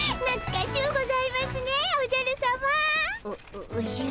おおじゃ。